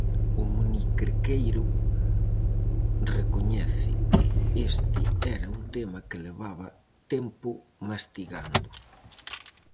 O monicrequeiro recoñece que este era un tema que levaba tempo mastigando.